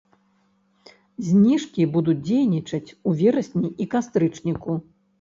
Зніжкі будуць дзейнічаць у верасні і кастрычніку.